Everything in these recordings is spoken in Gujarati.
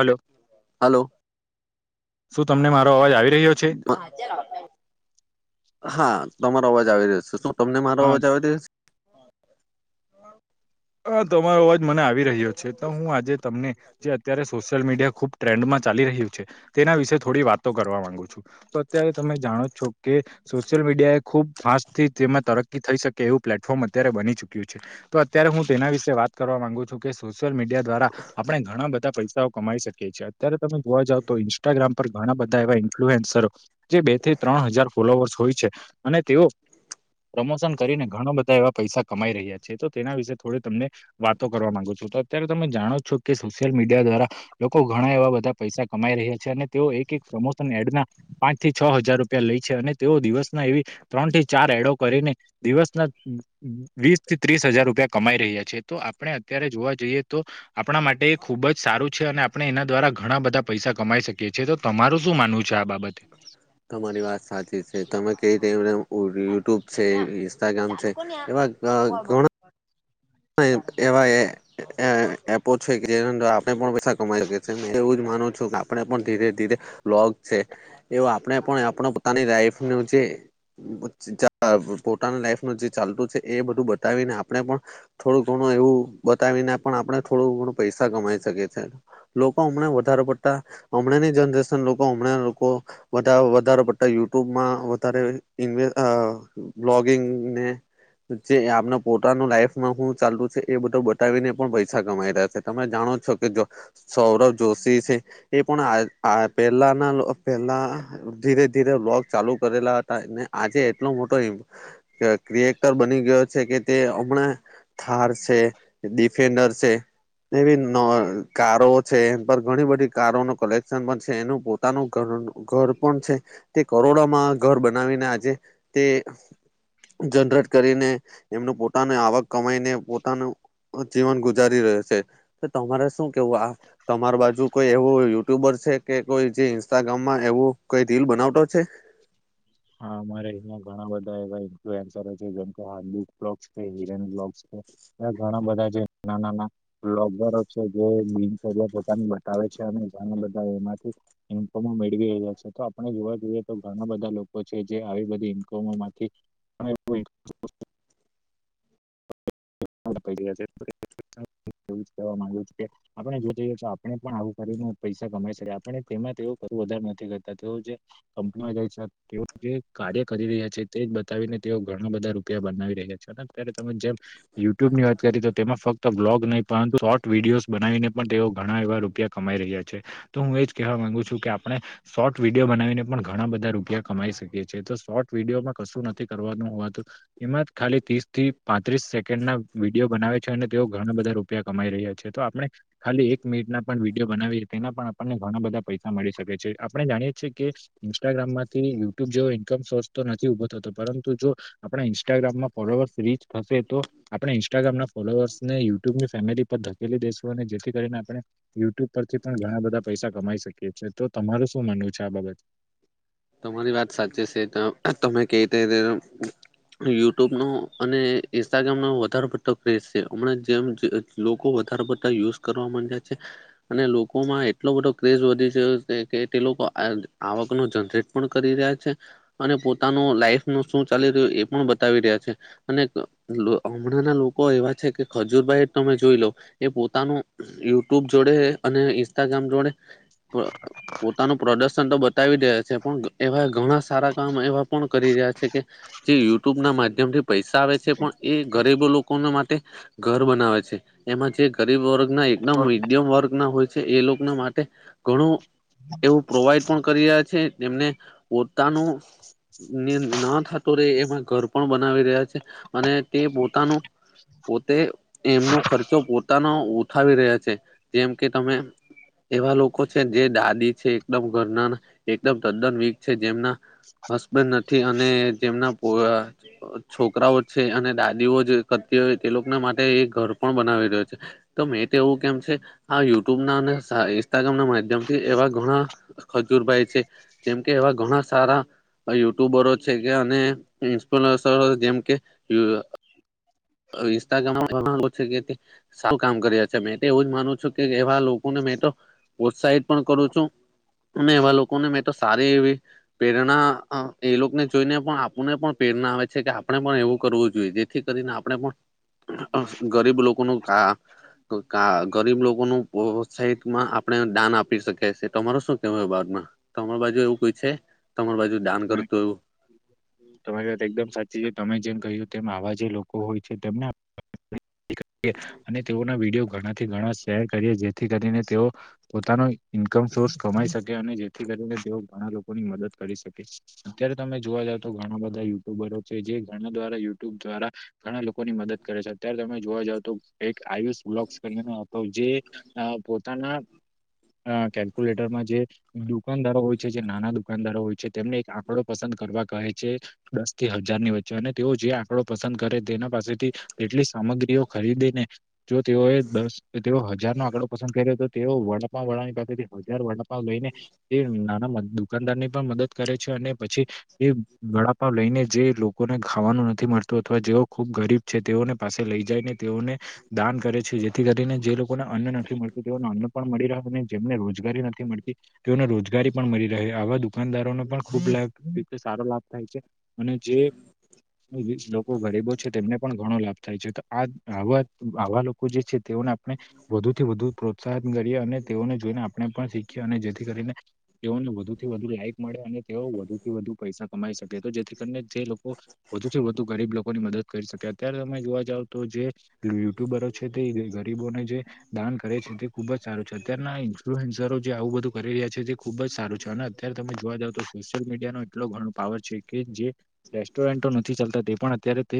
હલો. હલો શું તમને મારો અવાજ આવે હા તમારો અવાજ આવી રહ્યો છે. શું તમને મારો હા અવાજ આવે દેછ? અહ તમારો અવાજ મને આવી રહ્યો છે. તો હું આજે તમને જે અત્યારે સોશિયલ મીડિયા ખુબ ટ્રેન્ડમાં ચાલી રહ્યું છે. તેના વિશે થોડી વાતો કરવા માંગુ છું. તો અત્યારે તમે જાણો જ છો કે સોશિયલ મીડિયા એ ખુબ ફાસ્ટથી તેમાં તરક્કી થઈ શકે એવું પ્લેટફોર્મ અત્યારે બની ચુક્યું છે. તો ત્યારે હું તેના વિશે વાત કરવા માંગુ છું કે સોશિયલ મીડિયા દ્વારા આપણે ઘણા બધા પૈસાઓ કમાઈ શકીએ છીએ. અત્યારે તમે જોવા જાવ તો ઇન્સ્ટાગ્રામ પર ઘણા બધા એવા ઇન્ફ્લુએન્સર, જે બે થી ત્રણ હજાર ફોલોવર્સ હોય છે અને તેઓ પ્રમોશન કરીને ઘણા બધા એવા પૈસા કમાઈ રહ્યા છે. તો તેના વિશે થોડી તમને વાતો કરવા માંગુ છું. તો અત્યારે તમે જાણો છો કે સોશિયલ મીડિયા દ્વારા લોકો ઘણા એવા બધા પૈસા કમાઈ રહ્યા છે, અને તેઓ એક-એક પ્રમોશન એડ ના પાંચ થી છ હજાર રૂપિયા લેઈ છે, અને તેઓ દિવસના એવી ત્રણ થી ચાર એડો કરીને, દિવસના વીસ થી ત્રીસ હજાર રૂપિયા કમાઈ રહ્યા છે, તો આપણે અત્યારે જોવા જઈએ તો આપણા માટે એ ખૂબ જ સારું છે, અને આ આપણે એના દ્વારા ઘણા બધા પૈસા કમાઈ શકીએ છીએ. તો તમારું શું માનવું છે આ બાબતે? તમારી વાત સાચી છે. તમે [unintelligible] યુટ્યુબ છે, ઇન્સ્ટાગ્રામ છે, એવા [inaudible] એક એવા એ અહ એપો છે જેના અંદર આપણે પણ પ સા કમાઈ [unintelligible] એવું જ માનું છો કે [unintelligible] આપણે પણ ધીરે-ધીરે લોગ છે, એવું આપણે પણ [unintelligible] તાની લાઈફ નું જે [unintelligible] પોતાનું લાઈફ નું જે ચાલતું છે એ બધું બતાવીને આપણે પણ થોડું ઘણું એવું બતાવીને પણ આપણે થોડું ઘણું પૈસા કમાઈ શકીએ છે. લોકો હમણાં વધારે પડતા, હમણે ની જનરેશન લોકો હમણાં લોકો વધારો વધારે પડતા યુટ્યુબમાં વધારે [unintelligible] બ્લોગિંગ ને, જે આપના પોતાનું લાઈફ માં હું ચાલતું છે એ બધું બતાવીને પણ પૈસા કમાઈ રહ્યા છે. તમે જાણો જ છો કે જો સૌરવ જોશી સે એ પણ આ-આ પેલાના લ પેલા ધીરે-ધીરે વ્લોગ ચાલુ કરેલા હતા, આજે એટલો મોટો ઈન ક ક્રિએટર બની ગયો છે કે તે હમણાં થાર સે, ડિફેન્ડર સે એવી ન કારો છે, એન પર ઘણી બધી કારો નો કલેક્શન પણ છે, એનું પો પોતાનું ઘર-ઘર પણ છે, તે કરોડોમાં ઘર બનાવીને આજે તે જનરેટ કરીને એમનું પોતાની આવક કમાઈને પોતાનું જીવન ગુજારી રહ્યો છે. તો તમારે શું કેવું આ તમાર બાજુ કોઈ એવું યુટ્યુબર છે, કે કોઈ જે ઇન્સ્ટાગ્રામમાં એવું કોઈ રીલ બનાવતો છે? હા અમારે અહિયાં ઘણા બધા એવા ઇન્ફ્લુએન્સરો જેમ કે [unintelligible] છે, હિરેન બ્લોગ્સ છે ને ઘણા બધા છે નાનાના વ્લોગરો છે જે દિનચર્યા પોતાની બતાવે છે, અને [unintelligible] બતાવે એમાંથી ઈન્કમો મેળવી રહ્યા છે. તો આપણે જોવા જઈએ તો ઘણા બધા લોકો જે આવી બધી ઇન્કમો માંથી [unintelligible] [inaudible] આપણે જો જઈએ તો આપણે પણ આવું કરીને પૈસા કમાઈ શકીએ. આપણે તેમાં તેવું કરવું વધારે નથી કરતા, તેઓ જે કંપનીઓ જાય છે, તેઓ જે કાર્ય કરી રહ્યા છે, તેજ બતાવીને તેઓ ઘણા બધા રૂપિયા બનાવી રહ્યા છે. અને અત્યારે તમે જેમ, યુટ્યુબ ની વાત કરી તો તેમાં ફક્ત વ્લોગ નહીં પરંતુ શોર્ટ વિડીયોઝ બનાવીને પણ તેઓ ઘણા એવા રૂપિયા કમાઈ રહ્યા છે. તો હું એજ કહેવા માંગુ છું કે આપણે શોર્ટ વિડીયો બનાવીને પણ ઘણા બધા રૂપિયા કમાઈ શકીએ છીએ. તો શોર્ટ વિડીયોમાં કશું નથી કરવાનું હોવાતું એમાં ખાલી ત્રીસ થી. પાંત્રીસ સેકન્ડના વિડીયો બનાવે છે અને તેઓ ઘણા બધા રૂપિયા કમાઈ રહ્યા છે તો આપણે ખાલી એક મિનિટ ના પણ વિડીયો બનાવી તેના પણ આપણને ઘણા બધા પૈસા મળી શકે છે આપણે જાણીએ છીએ કે ઇંસ્ટાગ્રામ માં યુટ્યુબ જેવો ઇન્કમ સોર્સ તો નથી ઉઊભો થતો પરંતુ જો આપણા ઇન્સ્ટાગ્રામમાં ફોલોવર્સ રીચ થશે તો આપણે ઇન્સ્ટાગ્રામના ફોલોઅર્સ ને યુટ્યુબની ફેમિલી પર ધકેલી દેશું અને જેથી કરીને આપણે યુટ્યુબ પરથી પણ ઘણા બધા પૈસા કમાઈ શકીએ છીએ તો તમારું શું માનવું છે આ બાબત તમારી વાત સાચી છે તો તમે કવી રીતે યુટ્યુબ નુ અને ઇન્સ્ટાગ્રામનો વધારે પડતો ક્રેસ છે હમણા જેમ લોકો વધારે પતા યુઝ કરવા માંડયા છે. અને લોકોમાં એટલો બધો ક્રેઝ વધી છે કે તે લોકો આ આવક ન જનરેટ પણ કરી રહ્યા છે અને પોતાનું લાઈફ ન શું ચાલી રહ્યું એ પણ બતાવી રહ્યા છે. અને હમણાં ના લોકો એવા છે કે ખજૂરભાઈ તમે જોઈ લો એ પોતાનું યુટ્યુબ જોડે અને ઇન્સ્ટાગ્રામ જોડે પ પોતાનું પ્રદર્શન તો બતાવી દે છે પણ હવે ઘણા સારા કામ એવા પણ કરી રહ્યા છે કે જે યુટ્યુબ ના માધ્યમ થી પૈસા આવે છે પણ એ ગરીબ લોકોને માટે ઘર બનાવે છે એમાં જે ગરીબ વર્ગ ના એકદમ મીડિયમ વર્ગ ના હોય એ લોકોના માટે ઘણું એવું પ્રોવાઈડ પણ કરી રહ્યા છે એમને પોતાનું ના થતો રહેે એમાં ઘર પણ બનાવી રહ્યા છે. અને તે પોતાનો પોતે એમનો ખર્ચો પોતાનો ઉઠાવી રહ્યા છે જેમ કે તમે એવા લોકો છે જે દાદી છે એકદમ ઘરના એકદમ તદ્દન વીક છે જેમના હસબેન્ડ નથી અને જેમના પો છોકરાઓ છે અને દાદીઓ જે કરતી હોય તે લોકોને માટે એક ઘર પણ બનાવી રહ્યો છે. તો મેં તો એવું કેમ છે આ યુટુબ ના અને ઇન્સ્ટાગ્રામ ના માધ્યમથી એવા ઘણા ખજૂરભાઈ છે જેમ કે એવા ઘણા સારા યુટ્યુબરો [inaudible] ઇન્સ્ટાગ્રામમાં કે સારું કામ કર્યા છે. મે તો એવું જ માનું છું કે એવા લોકોને મે તો પ્રોત્સાહિત પણ કરું છું. આપને એવા લોકોને મેં તો સારી એવી પ્રેરણા એ લોકોને જોઈને પણ આપુને પણ પ્રેરણા આવે છે કે આપણે પણ એવું કરવું જોઈએ જેથી કરીને આપણે પણ ગરીબ લોકોનું કા તો કા ગરીબ લોકો નુ પ્રોસાહિતમાં આપણે દાન આપી શકી છે તમારું શું કેવું બાબત માં. તમાર બાજુ એવું કોઈ છે તમાર બાજુ દાન કરતું એવું. તમારી વાત એકદમ સાચી છે તમે જેમ કહ્યું તેમ આવા જે લોકો હોય છે તેમને અને તેઓ ના વિડીયો ઘણાથી ઘણા શેર કરીએ જેથી કરીને તેઓ પોતાનો ઇન્કમ સોર્સ કમાઈ શકે. અને જેથી કરીને તેઓ ઘણા લોકો ની મદદ કરી શકે છે અત્યારે તમે જોવા જાવ. તો ઘણા બધા યુટ્યુબરો છે જે ઘણા દ્વારા યુટ્યુબ દ્વારા ઘણા લોકોની મદદ કરે છે અત્યારે તમે જોવા જાવ તો એક આયુષ બ્લોક્સ કરી હતો જે અ પોતાના અ કેલ્ક્યુલેટરમાં જે. દુકાનદારો હોય છે જે નાના દુકાનદારો હોય છે તેમને એક આંકડો પસંદ કરવા કહે. જે દસ થી હજાર ની વચ્ચે અને તેઓ જે આંકડો પસંદ કરે તેના પાસેથી એટલી સામગ્રીઓ ખરીદીને જો તેઓએ દસ તો તેઓ હજારનો આંકડો પસંદ કર્યો હતો તેઓ વડાપા વડાની પાસેથી હજાર વડાપા લઈને એ નાના દુકાનદાર ની પણ મદદ કરે છે અને પછી એ વળાપાવ લઈને જે લોકોને ખાવાનું નથી મળતું અથવા જેઓ ખુબ ગરીબ છે તેઓને પાસે લઈ જાયને તેઓને દાન કરે છે જેથી કરીને જે લોકોને અન્ન નથી મળતું તેઓને અન્ન પણ મળી રહ જેમને રોજગારી નથી મળતી. તેઓને રોજગારી પણ મળી રહે. આવા દુકાનદારોને પણ ખુબ લાભ એક રીતે સારો લાભ થાય છે અને જે લોકો ગરીબો છે તેમને પણ ઘણો લાભ થાય છે, તો આજ આવા આવા લોકો જે છે તેઓને આપણે વધુ થી વધુ પ્રોત્સાહન કરીએ અને તેઓને જોઈને આપણે પણ શીખીએ અને જેથી કરીને તેઓને વધુથી વધુ લાઈક મળે અને તેઓ વધુથી વધુ પૈસા કમાઈ શકે તો જેથી કરીને જે લોકો વધુ થી વધુ ગરીબ લોકોની મદદ કરી શકે. અત્યારે તમે જોવા જાવ તો જે યુટ્યુબરો છે તે ગરીબોને જે દાન કરે છે તે ખુબજ સારું છે. અત્યારના ઇન્ફ્લુઅન્સરો જે આવું બધું કરી રહ્યા છે, તે ખુબજ સારું છે અને અત્યારે તમે જોવા જાવ તો સોશિયલ મીડિયાનો એટલો ઘણો પાવર છે કે જે રેસ્ટોરન્ટો નથી ચાલતા તે પણ અત્યારે તે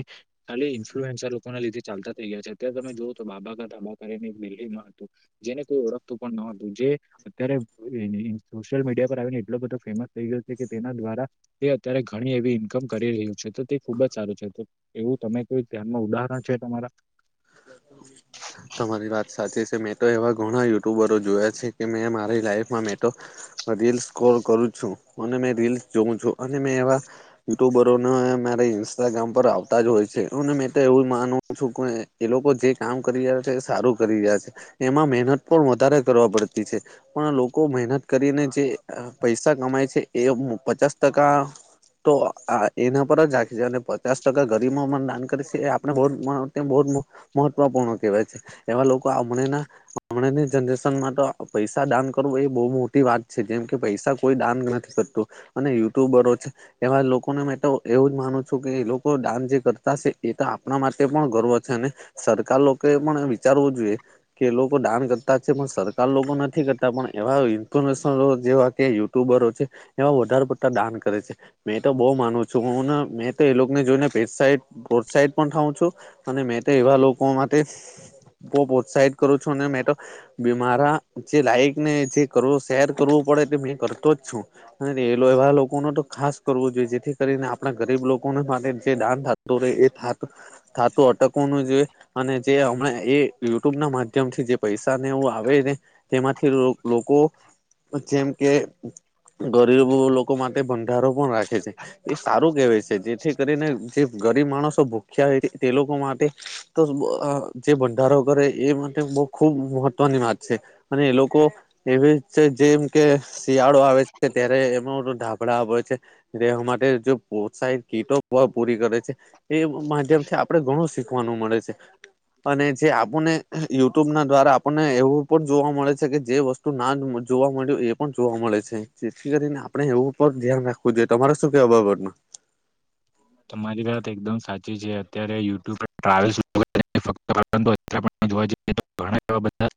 ખાલી ઇન્ફ્લુએન્ઝા લોકોના લીધે ચાલતા થઈ ગયા છે અત્યારે તમે જોઓ તો બાબા કા ધાબા કરી ને એક દિલ્હીમાં હતું જેને કોઈ ઓળખતું પણ ન હતું જે અત્યારે એ ને ની સોશિયલ મીડિયા પર આવીને એટલો બધો ફેમસ થઈ ગયો છે કે તેના દ્વારા તે અત્યારે ઘણી એવી ઈન્કમ કરી રહ્યું છે તો તે ખુબ જ સારું છે તો એવું તમે કોઈ ધ્યાનમાં ઉદાહરણ છે તમારા? તમારી વાત સાચી છે મે તો એવા ઘણા યુટ્યુબરો જોયા છે કે મેં મારી લાઈફમાં મેં તો અહ રીલસ સ્કોર કરું છું અને મેં રીલસ જોઉ છું અને મેં એવા યુટ્યુબરોને મારે ઇન્સ્ટાગ્રામ પર આવતા જ હોય છે મેં તો એવું માનું છું કે એ લોકો જે કામ કરી રહ્યા છે એ સારું કરી રહ્યા છે. એમાં મહેનત પણ વધારે કરવા પડતી છે. પણ લોકો મહેનત કરીને જે પૈસા કમાય છે એ પચાસ ટકા તો આ એના પર જ રાખી છે અને પચાસ ટકા ગરીબ માં મને દાન કરી છે આપણે બો માં તે બો મહત્વપૂર્ણ કેવાય છે એવા લોકો હમણે ના હમણાંની જનરેશન માં તો પૈસા દાન કરવું એ બહુ મોટી વાત છે જેમ કે પૈસા કોઈ દાન નથ કરતું અને યુટ્યુબરો છે એવા લોકોને મેં તો એવું જ માનું છું કે એ લોકો ડાન્સ જે કરતા છે એ તો આપના માટે પણ ગર્વ છે ને સરકાર લોકો એ પણ વિચારવું જોઈએ કે લોકો દાન કરતા છે પણ સરકાર લોકો નથી કરતા પણ એવા ઇન્ફોર્મેશન જેવા કે યે ટુબરો છે એમાં વધારે પડતા દાન કરે છે. મેં તો બહુ માનું છું હુંને મેં તો એ લોક ને જોઈને પ્રેસાહિત પ્રોત્સાહિત પણ થઉું છું અને મેં તો એવા લોકો માટે બહુ પ્રોત્સાહિત કરું છું અને મેં તો બે મારા જે લાઈક ને જે કરવો શેર કરવો પડે મેં કરતો જ છું અને એ એવા લોકો ને તો ખાસ કરવો જોઈએ જેથી કરીને આપડા ગરીબ લોકોને માટે જે દાન થ તો એ થાત થાતો અટ તો કોનું જે અને જે હમણાં એ યુટ્યુબ ના માધ્યમથી જે પૈસા ને એવું આવે એને તેમાંથી લોકો જેમ કે ગરીબ લોકો માટે ભંડારો પણ રાખે છે એ સારું કેવાય છે જેથી કરીને જે ગરીબ માણસો ભૂખ્યા હોય તે લોકો મા તો જે ભંડારો કરે એ માટે બો ખુબ મહત્વની વાત છે અને એ લોકો એવી છે જેમ કે શિયાળો આવે છે ત્યારે એનુ ધાબળા વેચે રહેેવા માટે જો પ્રોત્સાહિત કીટો પૂરી કરે છે એ માધ્યમથી આપડે ઘણું શીખવાનું મળે છે અને જે આપણને યુટ્યુબ ના દ્વારા આપણને એવું પણ જોવા મળે છે કે જે વસ્તુ તું ના જોવા મળ્યો એ પણ જોવા મળે છે જેથી કરીને આપણે એવું ઉપર ધ્યાન રાખ તમારે શું કેવું આ બાબત માં તમારી વાત એકદમ સાચી છે અત્યારે યુટ્યુબ ટ્રાવેલ્ [unintelligible] અત્યારે પણ જોવા જઈએ તો ઘણા એવા બધા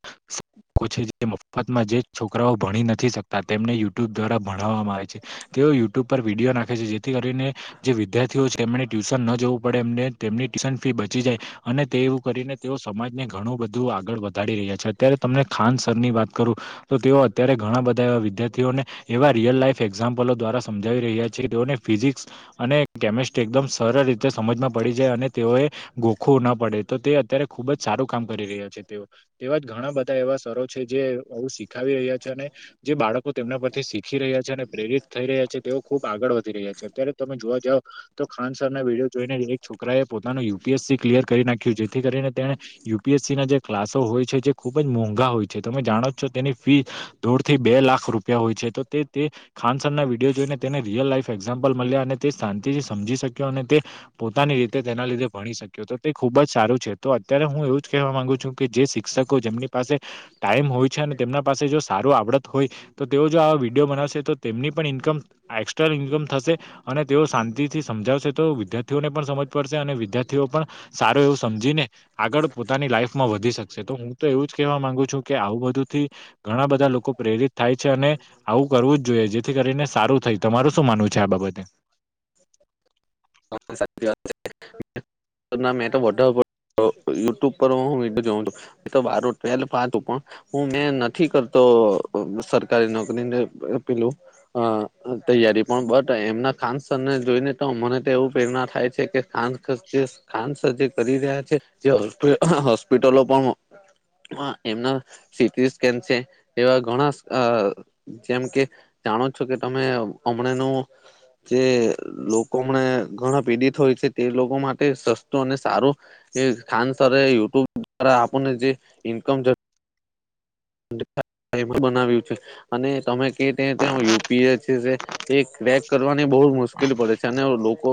પછી જે મફતમાં જે છોકરાઓ ભણી નથી શકતા તેમને યુટ્યુબ દ્વારા ભણવામાં આવે છે. તેઓ યુટ્યુબ પર વિડીયો નાખે છે, જેથી કરીને જે વિદ્યાર્થીઓ છે, એમણે ટ્યુશન ન જવું પડે એમને તેમની ટ્યુશન ફી બચી જાય. અને તે એવું કરીને તેઓ સમાજને ઘણું બધું આગળ વધારી રહ્યા છે, અત્યારે તમને ખાન સર ની વાત કરું. તો તેઓ અત્યારે ઘણા બધા એવા વિદ્યાર્થીઓને એવા રિયલ લાઈફ એક્ઝામ્પલો દ્વારા સમજાવી રહ્યા છે તેઓને ફિઝિક્સ અને કેમિસ્ટ એકદમ સરળ રીતે સમજમાં પડી જાય અને તેઓએ ગોખવું ન પડે તો તે અત્યારે ખુબ જ સારું કામ કરી રહ્યા છે તેઓ. તેવા જ ઘણા બધા એવા સરો છે જે આવું શીખાવી રહ્યા છે અને જે બાળકો તેમના પરથી શીખી રહ્યા છે અને પ્રેરિત થઈ રહ્યા છે. તેઓ ખૂબ આગળ વધી રહ્યા છે અત્યારે તમે જોવા જાવ તો ખાન સરના વિડીયો જોઈને એક છોકરાએ પોતાનું યુપીએસસી ક્લિયર કરી નાખ્યું જેથી કરીને તેણે યુપીએસસીના જે ક્લાસો હોય છે જે ખુબ જ મોંઘા હોય છે. તમે જાણો જ છો તેની ફી દોઢ થી બે લાખ રૂપિયા હોય છે. તો તે તે ખાનસરના વિડીયો જોઈને તેને રિયલ લાઈફ એક્ઝામ્પલ મળ્યા અને તે શાંતિથી સમજી શક્યો અને તે પોતાની રીતે તેના લીધે ભણી શક્યો તો તે ખુબ જ સારું છે. તો અત્યારે હું એવું જ કેહેવા માંગુ છું. કે જે શિક્ષકો જેમની પાસે ટાઈમ હોય છે અને તેમના પાસે જો સારું આવડત હોય. તો તેઓ જો આવા વિડીયો બનાવશે તો તેમની પણ ઇન્કમ આ એકસ્ટ્રા ઇન્કમ થશે. અને તેઓ શાંતિથી સમજાવશે તો વિદ્યાર્થીઓને પણ સમજ પડશે અને વિદ્યાર્થીઓ પણ સારું એવું સમજીને આગળ પોતાની લાઈફમાં વધી શકશે તો હું તો એવું જ કહેવા માંગુ છું કે આવું બધુંથી ઘણા બધા લોકો પ્રેરિત થાય છે અને આવું કરવું જ જોઈએ જેથી કરીને સારું થય તમારું શું માનવું છે આ બાબત? ને હહ સાચી વાત [inaudible] ના મેં તો [inaudible] તો યુટ્યુબ પર હું, વિડીયો જોઉં છું. એ તો વારું [inaudible] પાતું પણ હું મેં નથી કરતો સરકારી નોકરી નેે પેલું. હહ તૈયારી પણ બટ એમના ખાન સરને જોઈને તો મને તો એવું પ્રેરણા થાય છે કે કાન [unintelligible] જે ખાનસર જે કરી રહ્યા છે જે હોસ્પિટલો પણ હા એમના સીટીસ્કેન છે એવા ઘણા અ જેમ કે જાણો છો કે તમે હમણાંનો જે લોકો હમણે ઘણા પીડિત હોય છે તે લોકો માટે સસ્તો અને સારો એ ખાનસરે યુટ્યુબ દ્વારા આપણને જે ઇન્કમ જનરે બનાવ્યું છે અને તમે કે ત્યા ત્યાં યુપીએસસી છે. તે ક્રેક કરવાની બહુ મુશ્કેલી પડે છે અને હવ લોકો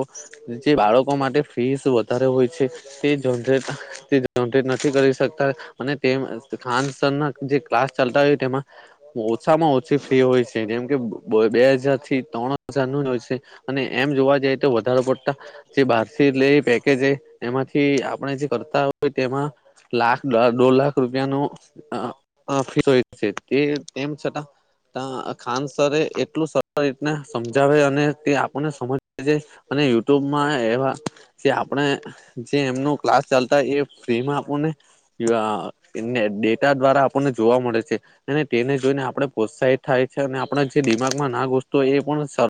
જે બાળકો માટે ફીસ વધારે હોય છે તે જનરેટ તે જનરેટ નથી કરી શકતા અને તેમ ખાન સરના જે ક્લાસ ચાલતા હોય તેમાં ઓછામાં ઓછી ફી હોય છે. જેમ કે બો બે હજાર થી ત્રણ હજારનું જ હોય છે. અને એમ જોવા જઈએ તો વધારો પડતાં જે બારથી લે પેકેજ એ એમાંથી આપણે જે કરતા હોય તેમાં લાખ દોઢ લાખ રૂપિયાનો અ ફીસ હોય છે તે તેમ છતાં તા ખાન સરે એટલું સરળ રીતના સમજાવે અને તે આપણને સમજ જે અને યુટ્યુબમાં એવા જે આપણે જે એમનું ક્લાસ ચાલતા હોય એ ફ્રીમાં આપોને અ ડેટા દ્વારા આપણને જોવા મળે છે. અને તેને જોઈને આપણે પ્રોત્સાહિત થાય છે, અને આપણે જે દિમાગમાં ના ગુસતો હોય એ પણ સર